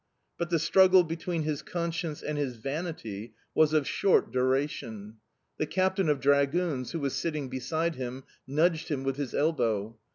But the struggle between his conscience and his vanity was of short duration. The captain of dragoons, who was sitting beside him, nudged him with his elbow.